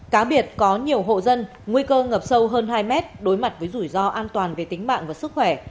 cá biệt có nhiều hộ dân nguy cơ ngập sâu hơn hai mét đối mặt với rủi ro an toàn về tính mạng và sức khỏe